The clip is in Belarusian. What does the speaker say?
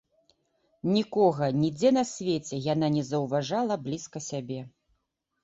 Нікога нідзе на свеце яна не заўважала блізка сябе.